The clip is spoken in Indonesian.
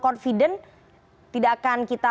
confident tidak akan kita